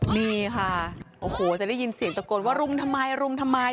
นี่ค่ะโอ้โหจะได้ยินเสียงตะโกนว่ารุมทำไมรุมทำไม